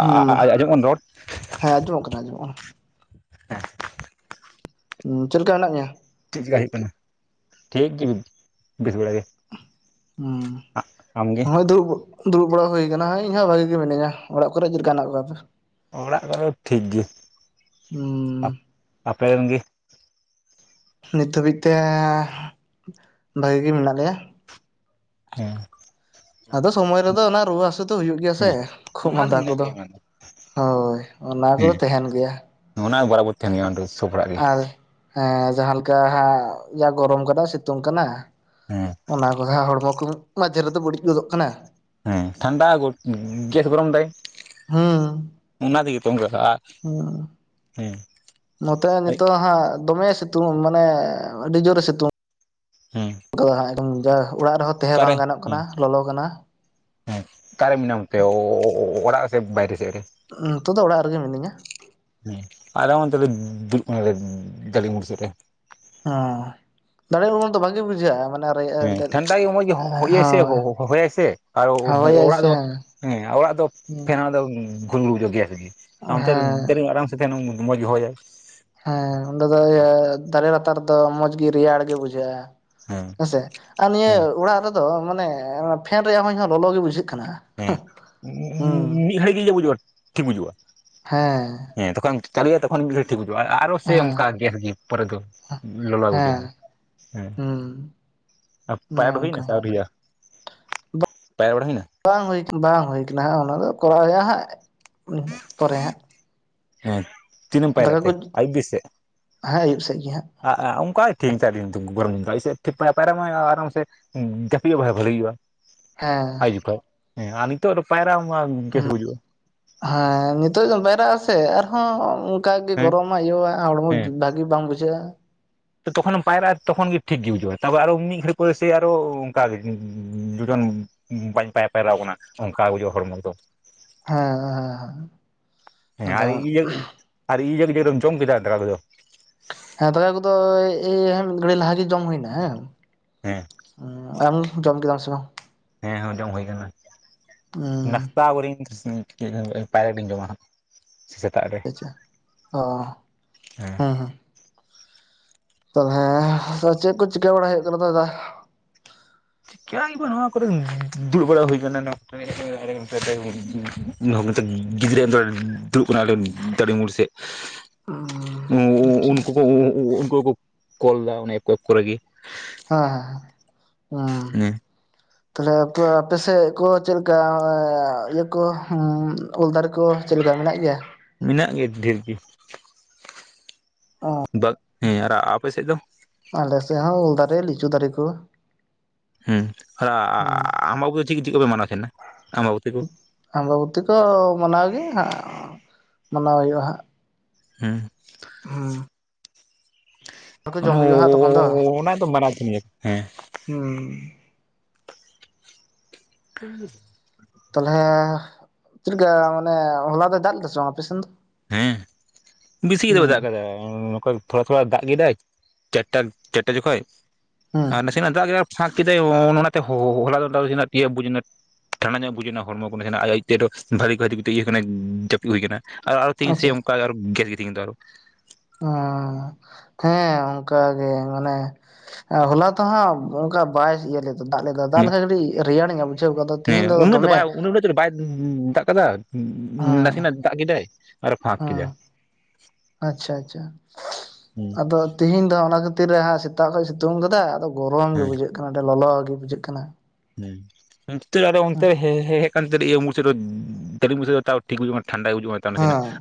ᱦᱩᱸ ᱠᱟᱱᱟ ᱨᱚᱲ? ᱦᱮᱸ ᱟᱸᱡᱚᱢᱚᱜ ᱠᱟᱱᱟ ᱟᱸᱡᱚᱢᱚᱜ ᱠᱟᱱᱟ᱾ ᱦᱩᱸ ᱪᱮᱫ ᱞᱮᱠᱟ ᱢᱮᱱᱟᱜ ᱢᱮᱭᱟ? ᱪᱮᱫ ᱪᱤᱠᱟᱹ ᱦᱳᱭᱳᱜ ᱠᱟᱱᱟ? ᱴᱷᱤᱠ ᱜᱮ ᱵᱮᱥ ᱵᱟᱲᱟ ᱜᱮ᱾ ᱦᱩᱸ ᱟᱢᱜᱮ ᱦᱚᱸᱜ-ᱚᱭ ᱫᱩᱲᱩᱵ ᱫᱩᱲᱩᱵ ᱵᱟᱲᱟ ᱦᱳᱭ ᱠᱟᱱᱟ ᱦᱟᱸᱜ᱾ ᱤᱧᱦᱚᱸ ᱵᱷᱟᱹᱜᱤ ᱜᱮ ᱢᱮᱱᱟᱹᱧᱟ᱾ ᱚᱲᱟᱜ ᱠᱚᱨᱮᱫ ᱪᱮᱫ ᱞᱮᱠᱟ ᱢᱮᱱᱟᱜ ᱠᱚᱣᱟ ᱟᱯᱮ? ᱚᱲᱟᱜ ᱠᱚᱨᱮ ᱫᱚ ᱴᱷᱤᱠ ᱦᱩᱸ ᱜᱮ᱾ᱟᱯ-ᱟᱯᱮ ᱨᱮᱱ ᱜᱮ? ᱱᱤᱛ ᱝᱷᱟᱹᱵᱤᱡ ᱛᱮ ᱵᱷᱟᱹᱜᱤ ᱜᱮ ᱢᱮᱱᱟᱜ ᱞᱮᱭᱟ᱾ ᱦᱩᱸ᱾ ᱟᱫᱚ ᱥᱚᱢᱚᱭ ᱨᱮᱫᱚ ᱚᱱᱟ ᱨᱩᱣᱟᱹ ᱦᱟᱹᱥᱩ ᱫᱚ ᱦᱩᱭᱩᱜ ᱜᱮᱭᱟ ᱥᱮ ᱦᱮᱸ ᱠᱷᱩᱜ ᱚᱱᱟ ᱫᱚ ᱢᱟᱸᱫᱟ ᱢᱮᱱᱟᱜ ᱠᱚᱫᱚ᱾ ᱜᱮᱭᱟ ᱚᱱᱟ ᱫᱚ ᱦᱳᱭ ᱚᱱᱟ ᱠᱚᱫᱚ ᱛᱟᱦᱮᱱ ᱜᱮᱭᱟ᱾ ᱱᱟᱟ-ᱚᱱᱚ ᱵᱟᱨᱟᱵᱚᱨ ᱛᱟᱦᱮᱱ ᱜᱮᱭᱟ ᱱᱚᱣᱟ ᱫᱚ ᱥᱚᱵ ᱦᱚᱲᱟᱜ ᱜᱮ᱾ ᱟᱨ ᱦᱮᱸ ᱡᱟᱦᱟᱸᱮᱠᱟ ᱦᱟᱸᱜ ᱡᱟ ᱜᱚᱨᱚᱢ ᱠᱟᱫᱟᱭ ᱥᱤᱛᱩᱝ ᱠᱟᱱᱟ᱾ ᱦᱮᱸ ᱚᱱᱟ ᱠᱚ ᱦᱟᱸᱜᱦᱚᱲᱢᱚ ᱠᱚ ᱢᱟᱫᱷᱮ ᱨᱮᱡᱷᱚ ᱵᱟᱹᱲᱤᱡ ᱜᱚᱫᱚᱜ ᱠᱟᱱᱟ᱾ ᱦᱮᱸ ᱴᱷᱟᱱᱰᱟ ᱜᱚᱫ ᱜᱮᱥ ᱜᱚᱨᱚᱢ ᱫᱟᱭ᱾ ᱚᱱᱟ ᱛᱮᱜᱮ ᱛᱚ ᱚᱱᱠᱟ-ᱟ᱾ ᱦᱮᱸ᱾ ᱱᱚᱛᱮ ᱱᱤᱛᱚᱜ ᱦᱟᱸᱜ ᱫᱚᱢᱮ ᱥᱤᱛᱩᱝ ᱢᱟᱱᱮ ᱟᱹᱰᱤ ᱡᱳᱨᱮ ᱥᱤᱛᱩᱝ᱾ ᱦᱮᱸ᱾ ᱚᱱᱠᱟ ᱫᱚ ᱦᱟᱸᱜ ᱮᱠᱫᱚᱢ ᱡᱟ ᱚᱲᱟᱜ ᱨᱮᱦᱚᱸ ᱛᱟᱦᱮᱸ ᱵᱟᱝ ᱜᱟᱱᱚᱜ ᱠᱟᱱᱟ ᱞᱚᱞᱚ ᱠᱟᱱᱟ᱾ ᱦᱮ ᱚᱠᱟᱨᱮ ᱢᱮᱱᱟᱢ ᱛᱮ ᱚ-ᱚ-ᱚᱲᱟᱜ ᱥᱮ ᱵᱟᱭᱨᱮ ᱥᱮᱫ ᱨᱮ? ᱱᱤᱛᱚᱜ ᱫᱚ ᱚᱲᱟᱜ ᱨᱮᱜᱮ ᱢᱤᱱᱟᱹᱧᱟ᱾ ᱦᱮᱸ ᱟᱞᱮ ᱚᱱᱛᱮ ᱫᱚ ᱫᱩᱲᱩᱵ ᱠᱟᱱᱟᱞᱮ ᱫᱟᱹᱰᱤ ᱢᱩᱲ ᱥᱮᱫ ᱨᱮ᱾ ᱦᱮ ᱫᱟᱲᱮ ᱩᱢᱩᱞ ᱫᱚ ᱵᱷᱟᱜᱮ ᱵᱩᱡᱷᱟᱹᱜᱼᱟ ᱢᱟᱱᱮ ᱨᱮᱭᱟᱜ ᱦᱮᱸ ᱢᱤᱫᱴᱮᱱ ᱴᱷᱟᱱᱰᱟ ᱜᱮ ᱢᱚᱡᱽ ᱜᱮ ᱦ-ᱦ-ᱦᱚᱭᱟᱭ ᱥᱮ ᱦᱳᱭ ᱦᱚᱭᱟᱭ ᱥᱮ ᱟᱨ ᱦᱳᱭᱟᱭ ᱚ-ᱚ-ᱚᱲᱟᱜ ᱥᱮ ᱫᱚ ᱦᱮᱸ ᱚᱲᱟᱜ ᱫᱚ ᱯᱷᱮᱱᱟ ᱫᱚ ᱜᱷᱩᱞᱜᱷᱩᱞ ᱧᱚᱜ ᱜᱮᱭᱟ᱾ ᱚᱱᱛᱮ ᱦᱮᱸ ᱰᱷᱮᱨ ᱟᱨᱟᱢ ᱥᱮ ᱛᱟᱦᱮ ᱢᱚᱸᱡᱽ ᱜᱮ ᱦᱚᱭᱟᱭ᱾ ᱦᱮᱸ ᱚᱸᱰᱮ ᱫᱚ ᱤᱭᱟᱹ ᱫᱟᱨᱮ ᱞᱟᱛᱟᱨ ᱨᱮᱫᱚ ᱢᱚᱸᱡᱽ ᱜᱮ ᱨᱮᱭᱟᱲ ᱜᱮ ᱵᱩᱡᱷᱟᱹᱜᱼᱟ᱾ ᱦᱮᱸ᱾ ᱥᱮᱫ ᱟᱨ ᱱᱤᱭᱟᱹ ᱦᱮᱸ ᱚᱲᱟᱜ ᱨᱮᱫᱚ ᱢᱟᱱᱮ ᱯᱷᱮᱱ ᱨᱮᱭᱟᱜ ᱦᱚᱭ ᱦᱚᱸ ᱞᱚᱞᱚᱜ ᱜᱮ ᱵᱩᱡᱷᱟᱹᱜ ᱠᱟᱱᱟ᱾ ᱦᱮᱸ ᱦᱩᱸ ᱢᱤ-ᱢᱤ-ᱢᱤᱫ ᱜᱷᱟᱹᱲᱤᱡ ᱜᱮᱤᱭᱟᱹ ᱵᱩᱡᱩᱜᱼᱟ ᱴᱷᱤᱠ ᱵᱩᱡᱩᱜᱼᱟ᱾ ᱦᱮᱸ᱾ ᱦᱮᱸᱛᱚᱠᱷᱚᱡ ᱮᱢ ᱪᱟᱞᱩᱭᱟ ᱛᱚ᱾ ᱩᱱ ᱜᱷᱟᱲᱤᱡ ᱴᱷᱤᱠ ᱵᱩᱡᱟᱜᱼᱟ ᱟ-ᱟᱨᱚ ᱥᱮᱭ ᱦᱮᱸ ᱚᱱᱠᱟ ᱜᱮ ᱯᱚᱨᱮ ᱫᱚ ᱞᱚᱞᱚ ᱜᱮ ᱵᱩᱡᱟᱜᱼᱟ᱾ ᱦᱮᱸ᱾ ᱚᱱᱮ ᱯᱟᱭ ᱦᱩᱭᱱᱟ ᱚᱱᱠᱟ ᱥᱮ ᱟᱣᱨᱤᱭᱟ? ᱯᱟᱭᱨᱟ ᱵᱟᱲ ᱦᱩᱭᱱᱟ? ᱵᱟᱝ ᱦᱩᱭ ᱵᱟᱝ ᱦᱩᱭ ᱠᱟᱱᱟ ᱦᱟᱸᱜ ᱚᱱᱟ ᱫᱚ ᱠᱚᱨᱟᱣᱦᱩᱭᱩᱜᱼᱟᱦᱟᱸᱜ ᱯᱚᱨᱮ ᱦᱟᱸᱜ᱾ ᱦᱮᱸ ᱛᱤᱨᱮᱢ ᱫᱟᱠᱟ ᱯᱟᱭᱨᱟᱜ ᱛᱮ ᱠᱚ ᱟᱭᱩᱵ ᱵᱤ ᱥᱮᱜ᱾ [unintelligible] ᱦᱮᱸ ᱟᱹᱭᱩᱵ ᱥᱮᱫ ᱜᱮ ᱦᱟᱸᱜ ᱦᱩᱸ ᱡᱟᱹᱯᱤᱫ ᱜᱮ ᱵᱷᱟ ᱵᱷᱟᱞᱤ ᱦᱩᱭᱩᱜᱼᱟ᱾ ᱦᱮᱸ᱾ ᱟᱭ ᱦᱮᱸ ᱟᱨ ᱱᱤᱛᱚᱜ ᱫᱚ ᱯᱟᱭᱨᱟ ᱢᱟ [unintelligible] ᱵᱩᱡᱩᱜᱼᱟ᱾ ᱦᱮᱸ ᱱᱤᱛᱚᱜ ᱫᱚᱢ ᱯᱟᱭᱨᱟᱜ ᱟᱥᱮ ᱟᱨᱦᱚᱸ ᱚᱱᱠᱟᱜ ᱜᱮ ᱦᱮᱸ ᱜᱚᱨᱚᱢᱟ ᱤᱭᱟᱹᱣᱟ ᱦᱚᱲᱢᱚ ᱵᱷᱟ ᱵᱷᱟᱹᱜᱤ ᱵᱟᱝ ᱵᱩᱡᱷᱟᱹᱜᱼᱟ᱾ ᱛᱚ ᱛᱚᱠᱷᱮᱢ ᱯᱟᱭᱨᱟᱜᱼᱟ ᱛᱚᱠᱷᱚᱱ ᱜᱮ ᱴᱷᱤᱠ ᱜᱮ ᱵᱩᱡᱷᱩᱜᱼᱟ ᱛᱮ ᱟᱨᱚ ᱢᱤᱫ ᱜᱷᱟᱹᱲᱤᱡ ᱯᱚᱨ ᱥᱮ ᱟᱨᱚ ᱚᱱᱠᱟᱜᱮ ᱡᱩᱡᱚᱱ ᱵᱟᱹᱧ ᱯᱟᱭ-ᱯᱟᱭᱨᱟᱣ ᱠᱟᱱᱟ ᱚᱱᱠᱟ ᱜᱮ ᱵᱩᱡᱩᱜ ᱦᱚᱲᱢᱚ ᱫᱚ᱾ ᱦᱮᱸ ᱦᱮᱸᱻ ᱦᱮᱸ ᱟᱨ ᱤᱭᱟᱹ ᱟᱨ ᱤᱭᱟᱹ [unintelligible] ᱡᱚᱢ ᱠᱮᱫᱟ ᱫᱟᱠᱟ ᱠᱚᱫᱚᱼᱼ ᱦᱮᱸ ᱫᱟᱠᱟ ᱠᱚᱫᱚ ᱮᱭ [unintelligible] ᱢᱤᱫ ᱜᱷᱟᱹᱲᱤ ᱞᱟᱦᱟ ᱜᱮ ᱡᱚᱢ ᱦᱩᱭᱱᱟ ᱦᱮᱸ ᱦᱮᱸ ᱮᱸ ᱟᱢ ᱡᱚᱢ ᱠᱮᱫᱟᱢ ᱥᱮ ᱵᱟᱝ ᱦᱮᱸ ᱦᱮᱸ ᱡᱚᱢ ᱦᱩᱭ ᱟᱠᱟᱱᱟ ᱦᱩᱸ ᱱᱟᱥᱛᱟᱵᱚᱨᱧ ᱯᱟᱭᱨᱟᱠᱟᱛᱮᱧ ᱡᱚᱢᱟ ᱦᱟᱜ ᱟᱪᱪᱷᱟ ᱚ ᱦᱮᱸ ᱦᱮᱸᱼᱼ ᱚ ᱦᱮᱸ ᱛᱟᱦᱚᱞᱮ ᱦᱮᱸ ᱪᱮᱫ ᱠᱚ ᱪᱤᱠᱟᱹ ᱵᱟᱲᱟ ᱦᱩᱭᱩᱜ ᱠᱟᱱᱟ ᱫᱟᱫᱟ [unintelligible] ᱱᱚᱣᱟ ᱠᱚᱨᱮ ᱫᱩᱲᱩᱵ ᱦᱩᱭ ᱠᱟᱱᱟ [unintelligible] [unintelligible] [inaudible] [unintelligible] ᱟᱪᱪᱷᱟ ᱩᱱᱠᱩ ᱠᱚ ᱩᱱᱠᱩ ᱠᱚ ᱠᱚᱞ ᱮᱫᱟ [unintelligible] ᱦᱮᱸ ᱦᱮᱸ [unintelligible] ᱛᱟᱦᱞᱮ ᱟᱯᱮᱥᱮᱫ ᱠᱚ ᱪᱮᱫ ᱞᱮᱠᱟ ᱤᱭᱟᱹ ᱠᱚ ᱦᱩᱸ ᱩᱞ ᱫᱟᱨᱮ ᱠᱚ ᱪᱮᱫ ᱞᱮᱠᱟ ᱢᱮᱱᱟᱜ ᱜᱮᱭᱟ ᱢᱮᱱᱟᱜ ᱜᱮᱭᱟ ᱰᱷᱮᱨ ᱜᱮᱼᱼ ᱚᱻ [unintelligible] ᱦᱮᱸ ᱟᱨ ᱟᱯᱮ ᱥᱮᱫ ᱫᱚᱼᱼ ᱟᱞᱮ ᱥᱮᱫ ᱦᱚᱸ ᱩᱞ ᱫᱟᱨᱮ ᱞᱤᱪᱩ ᱫᱟᱨᱮ ᱠᱚ ᱦᱮᱸ ᱟᱨ [unintelligible] ᱦᱩᱸ ᱟᱢᱵᱟᱵᱚᱛᱤ ᱪᱮᱫ ᱪᱮᱫ ᱠᱚᱯᱮ ᱢᱟᱱᱟᱣ ᱛᱟᱦᱮᱱᱟ ᱟᱢᱵᱟᱵᱚᱛᱤ ᱠᱚ ᱟᱢᱵᱟᱵᱚᱛᱤ ᱠᱚ ᱢᱟᱱᱟᱣ ᱜᱮ ᱦᱟᱸᱜ ᱢᱟᱱᱟᱣ ᱦᱩᱭᱩᱜᱼᱟ ᱦᱟᱸᱜ ᱦᱮᱸ ᱦᱩᱸ ᱠᱚ [unintelligible] ᱡᱚᱢ ᱦᱩᱭᱩᱜᱼᱟ ᱦᱟᱸᱜ ᱛᱚᱠᱷᱚᱱ ᱫᱚ ᱚᱱᱟ ᱫᱚ [unintelligible] ᱠᱟᱱ ᱜᱮᱭᱟ ᱦᱮᱸ ᱦᱩᱸ [unintelligible] ᱛᱟᱦᱚᱞᱮ ᱪᱮᱞᱠᱟ ᱢᱟᱱᱮ ᱦᱚᱞᱟ ᱫᱚ ᱫᱟᱜ ᱞᱮᱫᱟ ᱥᱮ ᱵᱟᱝ ᱟᱯᱮ ᱥᱮᱱ ᱫᱚ ᱦᱮᱸ ᱵᱮᱥᱤ ᱫᱚ ᱵᱟᱭ ᱦᱩᱸ ᱫᱟᱜ ᱟᱠᱟᱫᱟ ᱱᱚᱝᱠᱟ ᱛᱷᱚᱲᱟ ᱛᱷᱚᱲᱟ ᱫᱟᱜ ᱜᱮᱫᱟᱭ ᱪᱟᱨᱴᱟ ᱪᱟᱨᱴᱟ ᱡᱚᱠᱷᱚᱡ ᱦᱩᱸ ᱟᱨ ᱱᱟᱥᱮᱱᱟᱜ ᱫᱟᱜ ᱜᱮ ᱯᱷᱟᱸᱠ ᱠᱮᱫᱟᱭ ᱚᱻ ᱚᱱᱟ ᱛᱮ ᱦᱚᱞᱟ ᱫᱚ [unintelligible] ᱵᱩᱡ ᱮᱱᱟ ᱴᱷᱟᱱᱰᱟ ᱧᱚᱜ ᱵᱩᱡᱱᱟ ᱦᱚᱲᱢᱚ [unintelligible] ᱡᱟᱹᱯᱤᱫ ᱦᱩᱭ ᱟᱪᱪᱷᱟ ᱟᱠᱟᱱᱟ [unintelligible] ᱚᱸ ᱦᱮᱸ ᱚᱱᱠᱟ ᱜᱮ ᱢᱟᱱᱮᱼᱼ ᱦᱚᱞᱟ ᱛᱚᱦᱟᱸᱜ ᱚᱱᱠᱟ ᱵᱟᱭ ᱤᱭᱟᱹ ᱞᱮᱫᱟ ᱫᱟᱜ ᱞᱮᱫᱟ ᱫᱟᱜ ᱞᱮᱠᱷᱟᱱ ᱠᱟᱹᱴᱤᱡ ᱨᱮᱭᱟᱲ [unintelligible] ᱛᱤᱦᱤᱧ ᱦᱮᱸ ᱩᱱᱟᱹᱜ ᱫᱚ ᱫᱚᱢᱮ ᱵᱟᱭ ᱩᱱᱟᱹᱜ [unintelligible] ᱵᱟᱭ ᱫᱟᱜ ᱠᱟᱫᱟ ᱦᱮᱸ ᱱᱟᱥᱮᱱᱟᱜ ᱫᱟᱜ ᱠᱮᱫᱟᱭ ᱟᱨ ᱯᱷᱟᱸᱠ ᱦᱮᱸ ᱠᱮᱫᱟᱭ ᱟᱪᱪᱷᱟ ᱟᱪᱪᱷᱟ ᱦᱩᱸ ᱟᱫᱚ ᱛᱤᱦᱤᱧ ᱫᱚ ᱦᱟᱸᱜ ᱚᱱᱟ ᱠᱷᱟᱹᱛᱤᱨ ᱦᱟᱸᱜ ᱥᱮᱛᱟᱜ ᱫᱚᱭ ᱥᱤᱛᱩᱝ ᱟᱠᱟᱫᱟ ᱟᱫᱚᱼᱼ ᱜᱚᱨᱚᱢ ᱜᱮ ᱦᱮᱸ ᱵᱩᱡᱷᱟᱹᱜ ᱠᱟᱱᱟ ᱟᱹᱰᱤ ᱞᱚᱞᱚ ᱜᱮ ᱵᱩᱡᱷᱟᱹᱜ ᱠᱟᱱᱟ [unintelligible] [unintelligible] [unintelligible] ᱤᱱᱠᱟᱹ ᱦᱮᱸ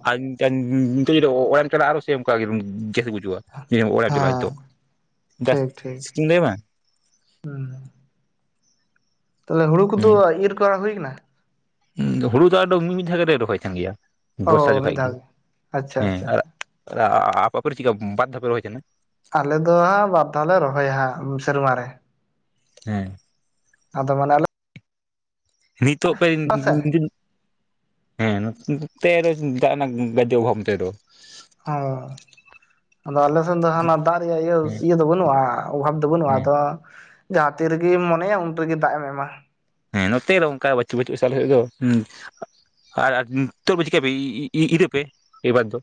ᱡᱩᱫᱤ ᱚᱲᱟᱜ ᱨᱮᱱ ᱪᱟᱞᱟᱜ ᱟᱨ ᱥᱮ ᱚᱱᱠᱮ ᱜᱮ ᱥᱮ ᱵᱩᱡᱩᱜᱼᱟ ᱡᱮ ᱚᱲᱟᱜ ᱪᱟᱞᱟᱜᱼᱟ ᱦᱮᱸ ᱱᱤᱛᱚᱜ [unintelligible] ᱦᱩᱸᱼᱼ ᱛᱟᱦᱚᱞᱮ ᱦᱩᱲᱩ ᱠᱚᱫᱚ ᱤᱨ ᱠᱚᱨᱟ ᱦᱩᱭ ᱠᱟᱱᱟ ᱦᱩᱸ ᱦᱩᱲᱩ ᱫᱚ ᱟᱫᱚ ᱢᱤᱢᱤᱫ ᱫᱷᱟᱣ ᱞᱮ ᱨᱚᱦᱚᱭ ᱛᱟᱦᱮᱱ ᱜᱮᱭᱟ ᱵᱚᱨᱥᱟ ᱚ ᱢᱤᱫ ᱡᱚᱠᱷᱮᱡ ᱜᱮ ᱫᱷᱟᱣ ᱟᱪᱪᱷᱟ ᱦᱮᱸ ᱟᱪᱪᱷᱟ ᱟᱨ ᱟᱪᱪᱷᱟ [unintelligible] ᱟᱞᱮ ᱫᱚ ᱦᱟᱸᱜ ᱵᱟᱨ ᱫᱷᱟᱣ ᱞᱮ ᱨᱚᱦᱚᱭᱟ ᱦᱟᱸᱜ ᱥᱮᱨᱢᱟ ᱨᱮ᱾ ᱦᱮᱸ ᱟᱫᱚ ᱢᱟᱱᱮ [inaudible] ᱱᱤᱛᱚᱜ ᱯᱮ ᱥᱮ [unintelligible] ᱦᱮᱸ ᱛᱮ [unintelligible] ᱚ ᱟᱫᱚ ᱟᱞᱮ ᱥᱮᱱ ᱫᱚ ᱦᱟᱱᱟ ᱫᱟᱜ ᱨᱮᱭᱟᱜ ᱤᱭᱟᱹ ᱦᱮᱸ ᱤᱭᱟᱹ ᱫᱚ ᱵᱟᱹᱱᱩᱜᱼᱟ ᱚᱵᱷᱟᱵᱽ ᱫᱚ ᱵᱟᱹᱱᱩᱜᱼᱟ ᱦᱮᱸ ᱟᱫᱚ᱾ ᱡᱟᱦᱟᱸ ᱛᱤᱨᱮᱜᱮᱢ ᱢᱚᱱᱮᱭᱟ ᱩᱱ ᱨᱮᱜᱮ ᱫᱟᱜ ᱮᱢ ᱮᱢᱟ᱾ ᱦᱮᱸ ᱱᱚᱛᱮ ᱫᱚ ᱚᱱᱠᱟ ᱵᱟᱹᱪᱩᱜ ᱵᱟᱹᱪᱩᱜ ᱟᱞᱮ ᱥᱮᱪ ᱫᱚ᱾ ᱟᱨ ᱱᱤᱛᱚᱜ ᱪᱤᱠᱟᱹᱯᱮ ᱤ ᱤᱨ ᱯᱮ ᱮᱭᱵᱟᱨ ᱫᱚ᱾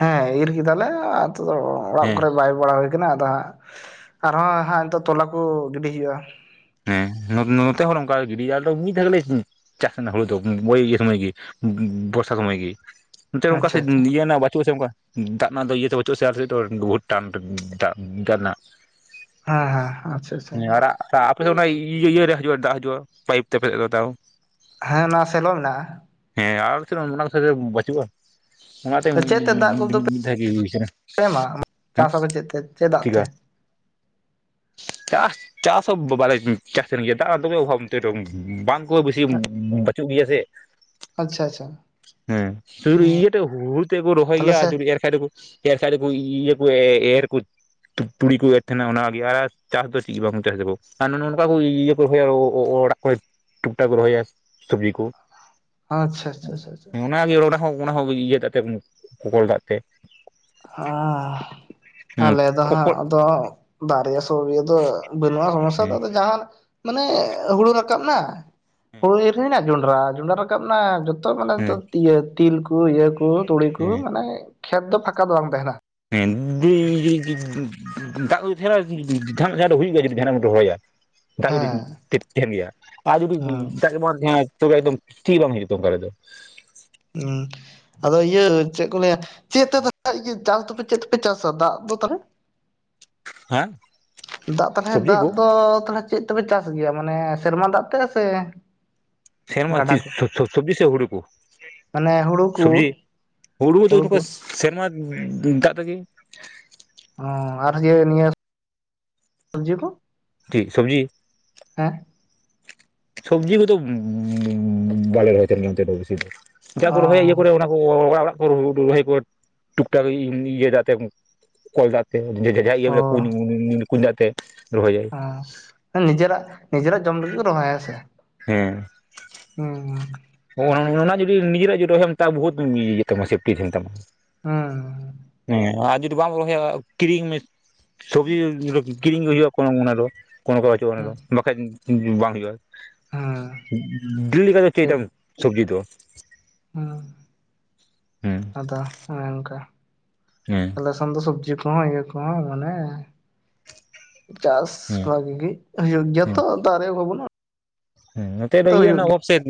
ᱦᱮᱸ ᱤᱨ ᱠᱮᱫᱟᱞᱮ ᱚᱲᱟᱜ ᱦᱮᱸ ᱠᱚᱨᱮ ᱵᱟᱭ᱾ ᱵᱟᱲᱟ ᱦᱩᱭ ᱠᱟᱱᱟ ᱟᱫᱚ ᱦᱟᱸᱜ ᱟᱨᱦᱚᱸ ᱦᱟᱸᱜ ᱱᱤᱛᱚᱜ ᱛᱚᱞᱟ ᱠᱚ ᱜᱤᱰᱤ ᱦᱩᱭᱩᱜᱼᱟ᱾ ᱦᱮᱸ ᱱᱚᱛᱮ ᱦᱚᱲ ᱚᱱᱠᱟ ᱜᱤᱰᱤ ᱟ ᱫᱚ ᱢᱤᱫ ᱫᱷᱟᱣᱞᱮ᱾ ᱪᱟᱥ ᱦᱩᱲᱩ ᱫᱚ ᱵᱳᱤ ᱥᱚᱢᱚᱭ ᱜᱮ ᱵᱚᱨᱥᱟ ᱥᱚᱢᱚᱭ ᱜᱮ᱾ ᱱᱚᱛᱮ ᱚᱱᱠᱟ ᱟᱪᱪᱷᱟ ᱥᱮᱡ ᱟᱪᱪᱷᱟ ᱦᱮᱸ ᱤᱭᱟᱹᱮᱱᱟ ᱵᱟᱪᱩᱜᱼᱟ ᱥᱮ ᱚᱱᱠᱟ᱾ ᱫᱟᱜ ᱨᱮᱱᱟᱜ ᱫᱚ ᱤᱭᱟᱹᱛᱮ ᱵᱟᱹᱪᱩᱜᱼᱟ ᱟᱞᱮ ᱥᱮᱡ ᱫᱚ ᱵᱚᱦᱩᱛ ᱴᱟᱱ ᱫᱟᱜ ᱨᱮᱱᱟᱜ᱾ ᱦᱮᱸ ᱦᱮᱸ ᱟᱪᱪᱷᱟ ᱟᱪᱪᱷᱟ ᱦᱮᱸ ᱟᱨ ᱟᱯᱮ ᱚᱱᱟ ᱤᱭᱟᱹ ᱤᱭᱟᱹ ᱦᱤᱡᱩᱼᱟ ᱫᱟᱜ ᱦᱤᱡᱩᱜᱼᱟ ᱯᱟᱭᱤᱯ ᱛᱮᱯᱮ ᱛᱟᱣ᱾ ᱦᱮᱸ ᱚᱱᱟ ᱥᱮᱞᱚ ᱢᱮᱱᱟᱜᱼᱟ᱾ ᱦᱮᱸ ᱟᱨ ᱪᱮᱫ ᱚᱱᱟ ᱵᱟᱪᱩᱜᱼᱟ᱾ ᱚᱱᱟᱛᱮ ᱛᱚ ᱪᱮᱫ ᱛᱮ ᱫᱟᱜ ᱢᱤᱫ ᱠᱚᱫᱚ ᱯᱮ ᱢᱤᱫ ᱫᱷᱟᱣ ᱜᱮ ᱦᱩᱭ ᱠᱟᱱᱟ᱾ ᱮᱢᱟ ᱪᱟᱥ ᱟᱵ ᱪᱮᱫ ᱫᱟᱜ ᱛᱮ᱾᱾ ᱪᱤᱠᱟ ᱪᱟᱥ ᱪᱟᱥ ᱦᱚᱸ ᱵᱟᱞᱮ ᱪᱟᱥᱮᱱ ᱜᱮᱭᱟ ᱫᱟᱜ ᱫᱚᱢᱮ ᱚᱵᱷᱟᱵ ᱛᱮ ᱫᱚ ᱵᱟᱝ᱾ [inaudible] ᱵᱟᱹᱥᱤᱢ ᱵᱟᱪᱩᱜ ᱜᱮᱭᱟ ᱥᱮ᱾ ᱟᱪᱪᱷᱟ ᱟᱪᱪᱷᱟ ᱦᱮᱸ ᱥᱩᱫᱩ ᱤᱭᱟᱹ ᱛᱮᱜ ᱦᱩᱲᱩ ᱛᱮᱫ ᱠᱚ ᱨᱚᱦᱚᱭ ᱛᱟᱦᱞᱮ ᱥᱮ ᱜᱮᱭᱟ ᱡᱩᱫᱤ ᱮᱨ ᱠᱷᱟᱡ ᱫᱚ ᱠᱚ᱾ ᱪᱮᱫᱟᱜ ᱥᱮ ᱟᱞᱮᱠᱚ ᱤᱭᱟᱹ ᱠᱚ ᱮᱨ ᱠᱚ ᱛᱩᱲᱤ ᱠᱚ ᱮᱨ ᱛᱟᱦᱮᱱᱟ ᱚᱱᱟᱜᱮ ᱟᱨ᱾ ᱪᱟᱥ ᱫᱚ ᱪᱮᱫ ᱵᱟᱝᱠᱚ ᱪᱟᱥ ᱫᱟᱠᱚ ᱟᱨ ᱱᱚ ᱱᱚ ᱱᱚᱠᱟ ᱠᱚ ᱤᱭᱟᱹ ᱠᱚ ᱨᱚᱦᱚᱭᱟ ᱚᱲᱟᱜ ᱠᱚᱨᱮ ᱴᱩᱠ ᱴᱟᱠ ᱠᱚ ᱨᱚᱦᱚᱭᱟ᱾ ᱥᱚᱵᱡᱤ ᱠᱚ ᱟᱪᱪᱷᱟ ᱟᱪᱪᱷᱟ ᱟᱪᱪᱷᱟ ᱚᱱᱟᱜᱮ ᱚᱱᱟ ᱦᱚᱸ ᱚᱱᱟ ᱦᱚᱸ᱾ ᱫᱟᱜ ᱛᱮ ᱠᱚᱞ ᱫᱟᱜ ᱛᱮ᱾ ᱟᱻ ᱦᱮᱸ ᱟᱞᱮ ᱫᱚ ᱦᱟᱸᱜ ᱠᱚᱠᱚᱞ ᱟᱫᱚ ᱫᱟᱜ [unintelligible] ᱵᱟᱹᱱᱩᱜᱼᱟ ᱥᱚᱢᱚᱥᱟ ᱫᱚ ᱦᱮᱸ ᱟᱫᱚ ᱡᱟᱦᱟᱸ ᱢᱟᱱᱮ ᱦᱩᱲᱩ ᱨᱟᱠᱟᱵ ᱱᱟ ᱦᱩᱲᱩ ᱤᱨ ᱦᱩᱭᱱᱟ᱾ ᱡᱚᱸᱰᱨᱟ ᱡᱚᱸᱰᱨᱟ ᱨᱟᱠᱟᱵ ᱱᱟ ᱡᱚᱛᱚ ᱢᱟᱱᱮ ᱦᱮᱸ ᱛᱤᱭᱟᱹ ᱛᱤᱞ ᱠᱚ ᱤᱭᱟᱹ ᱠᱚ ᱛᱩᱲᱤ ᱠᱚ ᱦᱮᱸ ᱢᱟᱱᱮ᱾ ᱠᱷᱮᱛ ᱫᱚ ᱯᱷᱟᱸᱠᱟ ᱫᱚ ᱵᱟᱝ ᱛᱟᱦᱮᱱᱟ᱾ [unintelligible] ᱫᱟᱜ ᱠᱚ ᱫᱤ ᱛᱟᱦᱮᱱᱟ ᱡᱟᱦᱟᱱᱟᱜ ᱡᱟᱦᱟᱸ ᱦᱩᱭᱩᱜ ᱜᱮᱭᱟ ᱡᱩᱫᱤ ᱡᱟᱦᱟᱱᱟᱜ ᱮᱢ ᱨᱚᱦᱚᱭᱟ ᱫᱟᱜ ᱡᱩᱫᱤ᱾ ᱦᱮᱸ ᱛᱮᱦᱮᱱ ᱜᱮᱭᱟ ᱟᱨ ᱡᱩᱫᱤ ᱦᱮᱸ ᱫᱟᱜ ᱜᱮ ᱵᱟᱝ ᱛᱮᱦᱮᱱᱟ ᱛᱚᱵᱮ ᱫᱚᱢ ᱴᱷᱤᱠ ᱵᱟᱝ ᱦᱤᱡᱩᱜ ᱛᱚ ᱚᱱᱠᱟ ᱨᱮᱫᱚ᱾ ᱦᱩᱸ ᱟᱫᱚ ᱤᱭᱟᱹ ᱪᱮᱫ ᱠᱚ ᱞᱟᱹᱭᱟ ᱪᱮᱫ ᱛᱮ ᱤᱭᱟᱹ ᱪᱟᱥ ᱫᱚᱯᱮ ᱪᱮᱫ ᱛᱮᱯᱮ ᱪᱟᱥᱟ ᱫᱟᱜ ᱫᱚ ᱛᱟᱞᱦᱮ᱾ ᱦᱮᱸ ᱫᱟᱜ ᱛᱟᱞᱦᱮ ᱥᱚᱵᱽᱡᱤ ᱫᱟᱜ ᱠᱚ ᱫᱚ ᱛᱟᱞᱦᱮ᱾ ᱪᱮᱫ ᱛᱮᱯᱮ ᱪᱟᱥ ᱜᱮᱭᱟ ᱢᱟᱱᱮ ᱥᱮᱨᱢᱟ ᱫᱟᱜ ᱛᱮ ᱥᱮ᱾ ᱥᱮᱱᱢᱟ ᱜᱟᱰᱟ ᱠᱚ? ᱥᱚ ᱥᱚ ᱥᱚᱵᱽᱡᱤ ᱥᱮ ᱦᱩᱲᱩ ᱠᱚ ᱢᱟᱱᱮ ᱦᱩᱲᱩ ᱠᱚ ᱥᱚᱵᱽᱡᱤ ᱦᱩᱲᱩ᱾ ᱥᱮᱨᱢᱟ ᱫᱟᱜ ᱛᱮᱜᱮ᱾ ᱚ ᱟᱨ ᱱᱤᱭᱟᱹ ᱥᱚᱵᱡᱤ ᱠᱚ᱾ ᱴᱤᱠ ᱥᱚᱵᱽᱡᱤ ᱦᱮ ᱥᱚᱵᱽᱡᱤ ᱠᱚᱫᱚ ᱵᱟᱞᱮ ᱨᱚᱦᱚᱭ ᱛᱟᱦᱮᱱ ᱜᱮᱭᱟ ᱱᱚᱛᱮ ᱫᱚ ᱵᱤᱥᱤ ᱫᱚ ᱡᱟ ᱠᱚ ᱨᱚᱦᱚᱭ ᱤᱭᱟᱹ ᱠᱚᱨᱮ ᱚᱱᱟ ᱚᱲᱟᱜ ᱚᱲᱟᱜ ᱠᱚ ᱨᱚᱦᱟᱭᱟ ᱠᱚ ᱴᱩᱠᱴᱟᱠ ᱤᱭᱟᱹ ᱫᱟᱜ ᱛᱮ ᱠᱚᱞ ᱫᱟᱜ ᱚ ᱚ ᱤᱭᱟᱹ ᱠᱩᱧ ᱠᱩᱧ ᱫᱟᱜ ᱛᱮ ᱨᱚᱦᱚᱭᱼᱟ ᱾ ᱚ ᱱᱤᱡᱮᱨᱟᱜ ᱱᱤᱡᱮᱨᱟᱜ ᱡᱚᱢ ᱞᱟᱹᱜᱤᱫ ᱠᱚ ᱨᱚᱦᱚᱭᱟ ᱦᱮᱸ ᱥᱮ ᱾ ᱦᱮᱸ ᱾ ᱚᱱᱟ ᱡᱩᱫᱤ ᱱᱤᱡᱮᱨᱟᱜ ᱡᱩ ᱨᱚᱦᱚᱭ ᱢᱮ ᱛᱟ ᱵᱩᱦᱩᱛ ᱤᱭᱟᱹ ᱛᱟᱢᱟ ᱥᱮᱯᱴᱤ ᱛᱟᱦᱮᱱ ᱛᱟᱢᱟ ᱾ ᱦᱩᱸ ᱾ ᱦᱮᱸ ᱟᱨ ᱡᱩᱫᱤ ᱵᱟᱢ ᱨᱚᱦᱚᱭᱟ ᱠᱤᱨᱤᱧ ᱢᱮ, ᱥᱚᱵᱽᱡᱤ ᱠᱤᱨᱤᱧ ᱜᱮ ᱦᱩᱭᱩᱜᱼᱟ ᱠᱚᱱᱚ ᱚᱱᱟ ᱫᱚ ᱠᱚᱱᱳ ᱠᱚᱨᱟᱨ ᱵᱟᱪᱩᱜᱼᱟ ᱚᱱᱟ ᱫᱚ ᱵᱟᱠᱷᱟᱡ ᱵᱟᱝ ᱦᱩᱭᱩᱜᱼᱟ ᱾ ᱦᱩᱸ [unintelligible] ᱥᱚᱵᱡᱤ ᱫᱚ ᱦᱮᱸ ᱦᱮᱸ ᱟᱫᱚ ᱚᱱᱮ ᱚᱱᱠᱟ ᱾ ᱦᱮᱸ ᱞᱮᱥᱚᱱ ᱫᱚ ᱥᱚᱵᱽᱡᱤ ᱠᱚᱦᱚᱸ ᱤᱭᱟᱹ ᱠᱚᱦᱚᱸ ᱢᱟᱱᱮ ᱪᱟᱥ ᱦᱮᱸ ᱵᱷᱟᱜᱤ ᱜᱤ ᱦᱟᱲᱤᱭᱟᱹᱨ ᱜᱤᱭᱟ ᱦᱮᱸ ᱛᱚ ᱛᱟᱨᱮ [unintelligible] ᱦᱮᱸ ᱱᱚᱛᱮ ᱫᱚ ᱤᱭᱟᱹ ᱱᱟ [unintelligible] ᱫᱟᱜ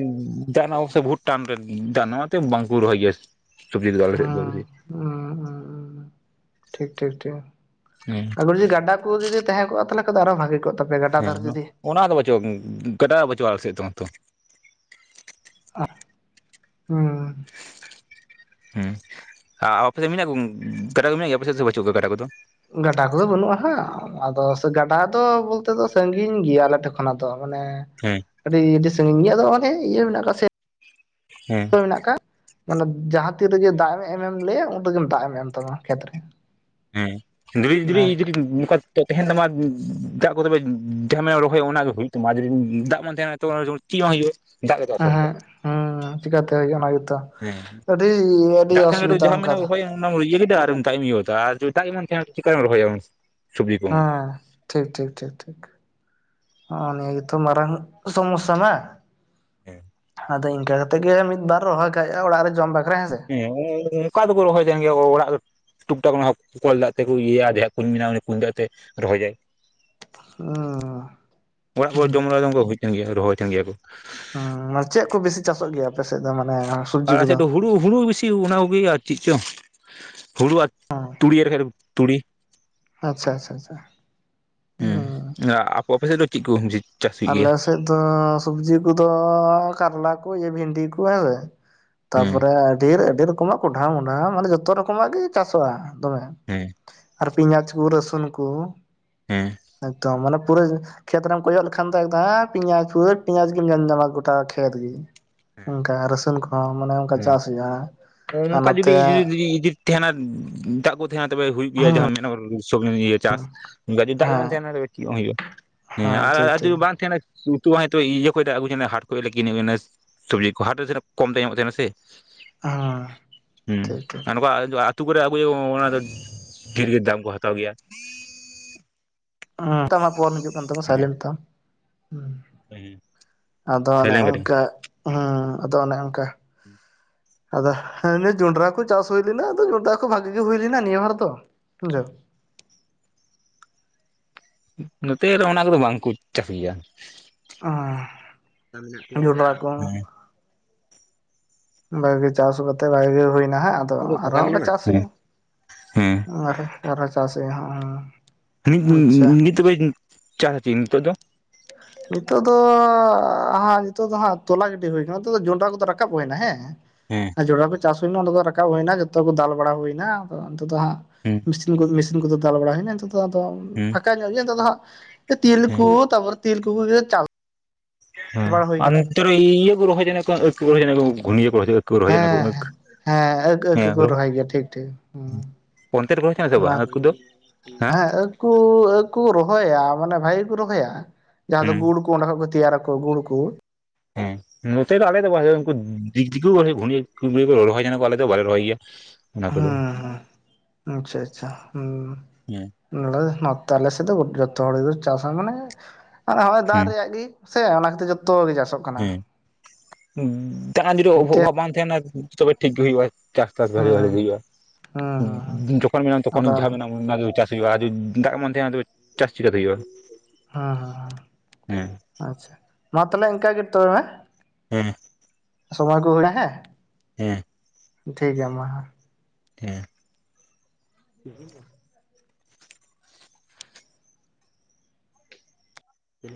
ᱨᱮᱱᱟ ᱚᱵᱚᱥᱥᱚ ᱵᱚᱦᱩᱛ ᱴᱟᱱ ᱨᱮ ᱫᱟᱜ ᱨᱮᱱᱟᱜ ᱚᱱᱟᱛᱮ ᱵᱟᱝᱠᱚ ᱨᱚᱦᱚᱭ ᱜᱮᱭᱟ ᱥᱚᱵᱽᱡᱤ ᱠᱚᱫᱚ ᱟᱞᱮ ᱥᱮᱫ ᱫᱚ ᱦᱮᱸ ᱦᱩᱸ ᱦᱩᱸ ᱴᱷᱤᱠ ᱴᱷᱤᱠ ᱴᱷᱤᱠ ᱦᱮᱸ [unintelligible] ᱜᱟᱰᱟ ᱠᱩ ᱡᱩᱫᱤ ᱛᱟᱦᱮ ᱠᱚᱜ-ᱟ ᱛᱟᱞᱦᱮ ᱠᱷᱟᱡ ᱟᱨᱚ ᱵᱷᱟᱹᱜᱤ ᱠᱚᱜ ᱾ ᱦᱮᱸ ᱚᱱᱟ ᱫᱚ ᱵᱟᱪᱩᱜᱼᱟ ᱜᱟᱰᱟ ᱵᱟᱪᱩᱜᱼᱟ ᱟᱞᱮ ᱥᱮᱫ ᱫᱚ ᱛᱚ ᱟᱦ ᱦᱩᱸᱻ ᱾ ᱦᱩᱸ ᱟᱨ ᱟᱯᱮ ᱥᱮᱫ ᱢᱮᱱᱟᱜ ᱠᱚ ᱜᱟᱰᱟ ᱠᱚ ᱢᱮᱱᱟᱜ ᱜᱮᱭᱟ ᱟᱯᱮ ᱫᱚ ᱵᱟᱹᱪᱩᱜ ᱠᱚᱣᱟ ᱜᱟᱰᱟ ᱠᱚᱫᱚ? ᱜᱟᱰᱟ ᱠᱚᱫᱚ ᱵᱟᱹᱱᱩᱜ-ᱟ ᱦᱟᱸᱜ ᱟᱫᱚ ᱜᱟᱰᱟ ᱫᱚ ᱵᱚᱞᱛᱮ ᱫᱚ ᱥᱟᱺᱜᱤᱧ ᱜᱮᱭᱟ ᱟᱞᱮ ᱴᱷᱮᱱ ᱠᱷᱚᱱᱟᱜ ᱫᱚ ᱢᱟᱱᱮ ᱦᱮᱸ ᱾ ᱟᱹᱰᱤ ᱟᱹᱰᱤ ᱥᱟᱺᱜᱤᱧ ᱜᱮᱭᱟ ᱟᱫᱚ ᱚᱱᱟ ᱤᱭᱟᱹ ᱢᱮᱱᱟᱜ ᱟᱠᱟ ᱥᱮᱫ ᱦᱮᱸ ᱾ ᱢᱮᱱᱟᱜ ᱠᱟᱜᱼᱟ ᱢᱟᱱᱮ ᱡᱟᱦᱟᱸ ᱛᱤ ᱨᱮᱜᱮ ᱫᱟᱜ ᱮ ᱮᱢᱮᱢ ᱞᱟᱹᱭᱟ ᱩᱱ ᱨᱮᱜᱮᱢ ᱫᱟᱜ ᱮᱢ ᱛᱟᱢᱟ ᱠᱷᱮᱛ ᱨᱮ ᱾ ᱦᱮᱸ [unintelligible] ᱱᱚᱝᱠᱟ ᱛᱚ ᱛᱮᱦᱮᱱ ᱫᱚ ᱱᱚᱣᱟ ᱫᱟᱜ ᱠᱚ ᱛᱚᱵᱮ ᱡᱷᱟᱢᱮ [unintelligible] ᱨᱚᱦᱚᱭ ᱚᱱᱟᱜ ᱫᱚ ᱦᱩᱭᱩᱜ ᱛᱟᱢᱟ, ᱡᱩᱫᱤ ᱫᱟᱜ ᱵᱟᱝ ᱛᱟᱦᱮᱱᱟ ᱛᱚ [unintelligible] ᱪᱮᱜ ᱦᱚᱸ ᱦᱩᱭᱩᱜ [unintelligible] ᱦᱩᱸ ᱪᱤᱠᱟᱛᱮ ᱦᱩᱭᱩᱜᱼᱟ ᱚᱱᱟ ᱜᱮᱛᱚ? ᱦᱮᱸ ᱟᱹᱰᱤ ᱟᱹᱰᱤ ᱚᱥᱩᱵᱤᱫᱷᱟ ᱚᱱᱠᱟ ᱫᱚ ᱚᱱᱟ ᱤᱭᱟᱹ [unintelligible] ᱡᱚ ᱮᱴᱟᱦᱤ ᱦᱚᱸ ᱪᱮᱠᱟᱧ ᱨᱚᱦᱚᱭᱟ ᱢᱟᱥᱮ ᱦᱚᱸ᱾ ᱴᱷᱤᱠ-ᱴᱷᱤᱠ-ᱴᱷᱤᱠ-ᱴᱷᱤᱠ ᱚᱸ ᱱᱤᱭᱟᱹ ᱜᱮᱛᱚ ᱢᱟᱨᱟᱝ ᱥᱚᱢᱚᱥᱼᱥᱟ ᱢᱟ᱾ ᱦᱮᱸ‌᱾ ᱟᱫᱚ ᱤᱸᱠᱟ ᱠᱟᱛᱮᱜ ᱜᱮ ᱢᱤᱫ ᱵᱟᱨ ᱨᱚᱦᱚᱭ ᱠᱟᱠ‌ ᱦᱩᱭᱩᱜᱼᱟ ᱚᱲᱟᱜ ᱨᱮ ᱡᱚᱢ ᱵᱟᱠᱷᱨᱟ ᱦᱮᱸᱥᱮ᱾ ᱦᱮᱸᱻ ᱚᱱᱠᱟ ᱫᱚᱠᱚ ᱨᱚᱦᱚᱭ ᱛᱟᱦᱮᱱ ᱜᱮᱭᱟ ᱚᱲᱟᱜ ᱴᱩᱠ ᱴᱟᱠ ᱠᱚᱞ ᱫᱟᱜ ᱛᱮᱠᱚ ᱤᱭᱟᱹᱭᱟ, ᱡᱟᱦᱟᱸᱭᱟᱜ ᱠᱩᱧ ᱢᱮᱱᱟᱜᱼᱟ ᱩᱱᱤ ᱠᱩᱧ ᱫᱟᱜ ᱛᱮ ᱨᱚᱦᱚᱭᱟᱭ᱾ ᱦᱩᱸ ᱚᱲᱟᱜ ᱦᱚᱲ ᱡᱚᱢ [unintelligible] ᱵᱩᱡᱽ ᱠᱟᱱ ᱜᱮᱭᱟ ᱨᱚᱦᱚᱭ ᱴᱷᱮᱱ ᱜᱮᱭᱟ ᱠᱚ᱾ ᱟᱸ ᱢᱟ ᱪᱮᱜ ᱠᱚ ᱵᱤᱥᱤ ᱪᱟᱥᱚᱜ ᱜᱮᱭᱟ, ᱟᱯᱮᱥᱮᱜ ᱫᱚ ᱢᱟᱱᱮ ᱥᱩᱵᱽᱡᱤ ᱟᱨ ᱟᱞᱮ ᱠᱚᱫᱚ? ᱥᱮᱫ ᱫᱚ ᱦᱩᱲᱩ ᱵᱤᱥᱤ ᱚᱱᱟ ᱠᱚᱜᱮ ᱟᱨ ᱪᱮᱫ ᱪᱚᱝ ᱦᱩᱲᱩ ᱟᱨ ᱛᱩᱲᱤ ᱟᱨ ᱛᱩᱲᱤ᱾ ᱟᱪᱪᱷᱟ-ᱟᱪᱪᱷ-ᱟᱪᱪᱷᱟ ᱾ ᱦᱮᱸ ᱟᱠᱚ ᱚᱯᱮᱥᱮᱜ ᱫᱚ ᱪᱮᱜ ᱠᱚ? ᱪᱟᱥ ᱦᱩᱭᱩᱜ ᱟᱞᱮ ᱜᱮᱭᱟ ᱥᱮᱜ ᱫᱚ ᱥᱚᱵᱽᱡᱤ ᱠᱚᱫᱚ, ᱠᱟᱨᱞᱟ ᱠᱚ ᱵᱷᱤᱱᱰᱤ ᱠᱚ ᱦᱮᱸᱥᱮ, ᱦᱮᱸ ᱛᱟᱯᱚᱨᱮ ᱟᱹᱰᱤ ᱟᱹᱰᱤ ᱨᱚᱠᱚᱢᱟᱜ ᱠᱚᱸᱰᱷᱟ ᱢᱚᱰᱷᱟ ᱢᱟᱱᱮ ᱡᱚᱛᱚ ᱨᱚᱠᱚᱢᱟᱜ ᱜᱮ ᱪᱟᱥᱚᱜᱼᱟ, ᱫᱚᱢᱮ᱾ ᱦᱮᱸ ᱾ ᱟᱨ ᱯᱮᱸᱭᱟᱡ ᱠᱚ ᱨᱟᱹᱥᱩᱱ ᱠᱚ, ᱦᱮᱸ ᱮᱠᱫᱚᱢ ᱢᱟᱱᱮ ᱯᱩᱨᱟᱹ ᱠᱷᱮᱛ ᱨᱮᱢ ᱠᱚᱭᱚᱜ ᱞᱮ ᱠᱷᱟᱱ ᱫᱚ ᱡᱮᱸ ᱯᱮᱸᱭᱟᱸᱡ [unintelligible] ᱯᱮᱸᱭᱟᱸᱡ ᱜᱮᱢ ᱧᱮᱞᱧᱟᱢᱟ ᱜᱚᱴᱟ ᱠᱷᱮᱛ ᱜᱮ᱾ ᱚᱱᱠᱟ ᱨᱟᱹᱥᱩᱱ ᱠᱚᱼᱦᱚᱸ ᱢᱟᱱᱮ ᱚᱱᱠᱟ ᱪᱟᱥ ᱦᱩᱭᱩᱜᱼᱟ, ᱦᱮ? ᱚᱝᱠᱟ ᱡᱩᱫᱤ [unintelligible] ᱛᱟᱦᱮᱱᱟ [unintelligible] ᱫᱟᱜ ᱠᱚ ᱛᱟᱦᱮᱱᱟ ᱛᱚᱵᱮᱸ ᱦᱩᱭᱩᱜ ᱜᱮᱭᱟ ᱦᱮᱸ ᱡᱟᱦᱟᱸ ᱢᱮᱱᱚᱜᱚ ᱥᱚᱵᱮ ᱤᱭᱟᱹ ᱪᱟᱥ ᱜᱟᱡᱤ ᱫᱟᱜ ᱜᱮ ᱦᱮᱸ ᱵᱟᱝ ᱛᱟᱦᱮᱱᱟ ᱪᱮᱜ ᱦᱚᱸ ᱦᱩᱭᱩᱜᱼᱟ᱾ ᱦᱮᱸ ᱟᱨ ᱴᱷᱤᱠ ᱟᱨ ᱴᱷᱤᱠ ᱵᱟᱝ ᱛᱟᱦᱮᱱᱟ ᱩᱛᱩ ᱦᱚᱸ ᱦᱚᱭᱛᱚ ᱤᱭᱟᱹ ᱠᱷᱚᱡ ᱫᱟᱜ ᱟᱹᱜᱩ ᱡᱚᱱᱟ, ᱦᱟᱴ ᱠᱷᱚᱡ ᱞᱮᱠᱤᱱᱤ ᱮᱱᱟᱹ ᱥᱚᱵᱡᱤ ᱠᱚ ᱦᱟᱴ ᱨᱮ ᱠᱚᱢᱛᱮ ᱧᱟᱢᱚᱜ ᱛᱟᱦᱮᱱᱟ ᱥᱮ᱾ ᱦᱮᱸ ᱦᱩᱸ ᱴᱷᱤᱠ ᱴᱷᱤᱠ ᱟᱨ ᱱᱚᱠᱟ ᱟ ᱠᱚᱣᱟ ᱟ ᱟᱹᱛᱩ ᱠᱚᱨᱮ ᱟᱹᱜᱩᱭᱟ ᱚᱱᱟ ᱫᱚ ᱰᱷᱽᱮᱨ ᱜᱮ ᱫᱟᱢ ᱠᱚ ᱦᱟᱛᱟᱣ ᱜᱮᱭᱟ᱾ ᱚᱸ ᱛᱟᱢᱟ ᱯᱷᱚᱱ ᱦᱤᱡᱩᱜ ᱠᱟᱱ ᱛᱟᱢᱟ᱾ ᱥᱟᱭᱞᱮᱱᱴᱸ ᱛᱟᱢ ᱩᱸᱻ ᱟᱫᱚ ᱚᱱᱮ ᱥᱟᱭᱞᱮᱱ ᱠᱟᱹᱴᱤᱧ ᱚᱱᱠᱟ ᱦᱩᱸ᱾ ᱟᱫᱚ ᱚᱱᱮ ᱚᱝᱠᱟ᱾ ᱟᱫᱚ ᱦᱮᱸ ᱱᱤᱭᱟᱹ ᱡᱚᱸᱰᱽᱨᱟ ᱠᱚ ᱪᱟᱥ ᱦᱩᱭ ᱞᱮᱱᱟ᱾ ᱟᱫᱚ ᱡᱚᱸᱰᱽᱨᱟ ᱠᱚ ᱵᱷᱽᱟᱜᱤ ᱜᱮ ᱦᱩᱭ ᱞᱮᱱᱟ᱾ ᱱᱤᱭᱟ ᱵᱟᱨ ᱫᱚ ᱵᱩᱡᱷᱟᱹᱣ᱾ ᱱᱚᱛᱮ ᱨᱮ ᱚᱱᱟ ᱠᱚᱼᱫᱚ ᱵᱟᱝᱠᱚ ᱪᱟᱹᱥᱜᱤᱭᱟ᱾ ᱟᱸ ᱡᱚᱸᱰᱽᱨᱟ ᱠᱚᱸ᱾ ᱦᱮᱸ ᱵᱷᱟᱹᱜᱤ ᱪᱟᱥ ᱠᱟᱛᱮ ᱵᱷᱟᱜᱮ ᱜᱮ ᱦᱩᱭᱱᱟ ᱾ᱦᱮᱸ, ᱟᱫᱚ ᱟᱨ-ᱦᱚᱸ ᱚᱸᱠᱟ ᱪᱟᱥ ᱦᱮᱸ ᱦᱩᱭᱩᱜᱼᱟ᱾ ᱦᱮᱸ ᱟᱨ ᱟᱨᱦᱚᱸ ᱪᱟᱥ ᱦᱩᱭᱩᱜᱼᱟ ᱾ ᱦᱚᱸᱼᱚᱸ ᱱᱤᱡᱜ ᱱᱤᱡᱜᱫᱚᱵᱮ ᱪᱟᱥ [unintelligible] ᱱᱤᱛᱚᱜ ᱫᱚ ᱱᱤᱛᱚᱜ ᱫᱚ ᱦᱟᱸᱜ ᱱᱤᱛᱚᱜ ᱫᱚ ᱦᱟᱸᱜ, ᱛᱚᱞᱟ ᱜᱤᱰᱤᱸ ᱦᱩᱭ ᱠᱟᱱᱟ᱾ ᱱᱤᱛᱚᱜ ᱫᱚ ᱡᱚᱱᱽᱰᱨᱟ ᱠᱚᱼᱫᱚ ᱨᱟᱠᱟᱵ ᱦᱩᱭᱱᱟ ᱦᱮᱸ᱾ ᱦᱮᱸ ᱡᱚᱰᱽᱨᱟ ᱠᱚ ᱪᱟᱥ ᱦᱩᱭᱱᱟ᱾ ᱚᱱᱟ ᱫᱚ ᱨᱟᱠᱟᱵ ᱦᱩᱭᱱᱟ᱾ ᱡᱚᱛᱚ ᱠᱚ ᱫᱟᱞ ᱵᱟᱲᱟ ᱦᱩᱭᱱᱟ᱾ ᱱᱤᱛᱚᱜ ᱫᱚ ᱦᱟᱸᱜ ᱦᱮᱸ ᱢᱤᱥᱤᱱ ᱠᱚ ᱢᱤᱥᱤᱱ ᱠᱚᱛᱮ ᱫᱟᱞ ᱵᱲᱟ ᱦᱩᱭᱱᱟ᱾ ᱦᱮᱸ ᱯᱷᱟᱸᱠᱟ ᱧᱚᱜ ᱞᱮᱜᱮ ᱞᱟᱹᱭ ᱫᱟᱞᱮ ᱱᱟᱦᱜ ᱦᱮᱸ ᱛᱤᱞᱠᱩ ᱛᱟᱯᱚᱨ ᱛᱤᱞᱠᱩ ᱪᱟᱣ ᱦᱮᱸ ᱟᱨ ᱤᱭᱟᱹ ᱠᱚ ᱨᱚᱦᱚᱭ ᱞᱮᱫᱟ ᱠᱚ ᱟᱹᱠ ᱠᱚ ᱨᱚᱦᱚᱭ ᱡᱚᱱᱚᱜ ᱦᱮᱸ ᱾ ᱦᱮᱸ ᱟᱹᱠ ᱟᱹᱠ, ᱦᱮᱸ ᱠᱚ ᱨᱚᱦᱚᱭ ᱜᱮᱭᱟ᱾ ᱴᱷᱤᱠ, ᱴᱷᱤᱠ ᱦᱮᱸ ᱚᱱᱛᱮ ᱨᱮᱠᱚ ᱛᱟᱦᱮᱸ ᱥᱮ ᱵᱟᱝ ᱩᱱᱠᱩ ᱫᱚ ᱦᱮᱸ? ᱠᱚ ᱟᱹᱠ ᱠᱚ ᱨᱚᱦᱚᱭᱼᱟ᱾ ᱢᱟᱱᱮ ᱵᱷᱟᱜᱤ ᱜᱮᱠᱚ ᱨᱚᱦᱚᱭᱼᱟ᱾ ᱡᱟᱦᱟᱸ ᱫᱚ ᱦᱮᱸ ᱜᱩᱲ ᱠᱚ ᱚᱱᱟ ᱠᱷᱚᱡ ᱜᱮ ᱛᱮᱭᱟᱨ ᱟᱠᱚ ᱜᱩᱲ ᱠᱩ ᱦᱮᱸ ᱱᱚᱛᱮ ᱫᱚ ᱟᱞᱮ ᱫᱚ ᱵᱟᱞᱮ ᱩᱱᱠᱩ ᱫᱤᱠᱩ ᱠᱳᱜᱮ᱾ ᱜᱷᱩᱨᱤ ᱨᱚᱦᱚᱭ ᱡᱮᱱᱚ ᱟᱞᱮ ᱫᱚᱸ ᱵᱟᱞᱮ ᱨᱚᱦᱚᱭ ᱜᱮᱭᱟ᱾ ᱚᱱᱟ ᱦᱮᱸ ᱠᱚᱫᱚ᱾ ᱦᱮᱸ ᱟᱪᱷᱟ ᱟᱪᱷᱟ ᱦᱩᱸ ᱦᱮᱸ ᱱᱚᱛᱮ ᱟᱞᱮ ᱥᱮᱫ ᱫᱚ ᱡᱚᱛᱚ ᱦᱚᱲ ᱜᱮ ᱪᱟᱥᱟ ᱾ ᱢᱟᱱᱮ ᱦᱚᱜᱳᱸᱭ ᱫᱟᱜ ᱦᱮᱸ ᱨᱮᱭᱟ-ᱜ ᱜᱮ᱾ ᱥᱮ ᱚᱱᱟ ᱠᱷᱟᱹᱛᱤᱨ ᱡᱚᱛᱚ ᱜᱮ ᱪᱟᱥᱚ ᱦᱮᱸ ᱫᱟᱜ ᱡᱤᱫᱤ ᱢᱤᱫᱴᱮᱡ ᱚᱵᱽᱟᱵ ᱵᱟᱝ ᱛᱟᱦᱮᱱᱟ᱾ ᱛᱚᱵᱮ ᱴᱷᱤᱠ ᱜᱮ ᱦᱩᱭᱩᱜᱼᱟᱼᱼ ᱪᱟᱥᱵᱟᱥ ᱵᱷᱟᱜᱮ ᱵᱷᱟᱟᱜᱮ ᱦᱩᱸ ᱦᱩᱭᱩᱜᱼᱟ᱾ ᱦᱩᱸ ᱦᱩᱸ ᱦᱩᱸ ᱡᱚᱠᱷᱚᱱ ᱢᱮᱱᱟ ᱟᱫᱚ ᱛᱚᱠᱷᱚᱱ ᱦᱩᱸ ᱡᱟᱦᱟᱸ ᱢᱮᱱᱟᱼᱼ ᱚᱱᱟ ᱫᱚ ᱪᱟᱥ ᱦᱩᱭᱩᱜᱼᱟ ᱾ ᱟᱹᱰᱤ ᱫᱟᱜ ᱵᱟᱝ ᱛᱟᱦᱮᱸᱱᱟ ᱛᱟᱦᱮᱞᱮ ᱪᱟᱥ ᱪᱮᱠᱟᱹᱛᱮ ᱦᱩᱭᱩᱜᱭᱼᱟ? ᱦᱮᱸ ᱦᱮᱸᱸ ᱟᱪᱷᱟ ᱾ᱢᱟ ᱛᱟᱦᱞᱮ ᱤᱱᱠᱟᱹ ᱜᱮ ᱛᱚᱵᱮᱸ ᱢᱮᱼᱼ ᱦᱮᱸ ᱥᱚᱢᱚᱭ ᱠᱚ ᱦᱩᱭ ᱮᱱᱟ ᱦᱮᱸᱼᱼ ᱦᱮᱸ ᱴᱷᱤᱠ ᱜᱮᱭᱟ ᱢᱟ ᱦᱮᱸᱼᱼ ᱦᱮᱸ